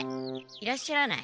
いらっしゃらない？